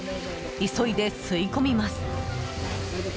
急いで吸い込みます。